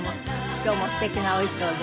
今日も素敵なお衣装で。